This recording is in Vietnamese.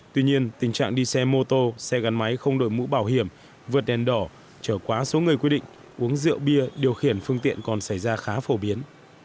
tuy nhiên tình trạng đi xe mô tô xe gắn máy không đổi mũ bảo hiểm vượt đèn đỏ trở quá số người quy định uống rượu bia điều khiển phương tiện còn xảy ra khá phổ biến